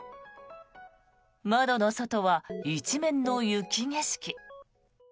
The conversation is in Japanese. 窓の外は一面の雪景色。